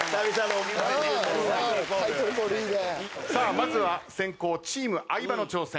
まずは先攻チーム相葉の挑戦。